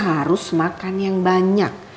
harus makan yang banyak